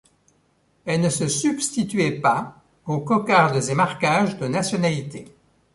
Elles ne se substituaient pas aux cocardes et marquages de nationalités.